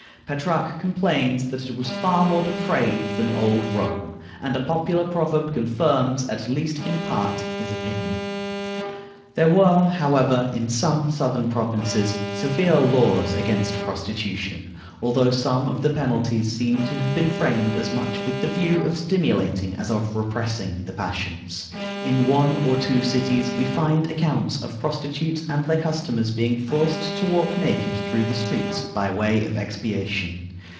Petrarch complains that it was far more depraved than old Rome, and a popular proverb confirms, at least in part, his opinion. There were, however, in some southern provinces, severe laws against prostitution, although some of the penalties seem to have been framed as much with the view of stimulating as of repressing the passions. In one or two cities we find accounts of prostitutes and their customers being forced to walk naked through the streets by way of expiation.